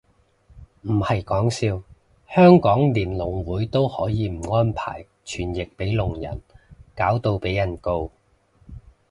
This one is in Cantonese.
唔係講笑，香港連聾會都可以唔安排傳譯俾聾人，搞到被人告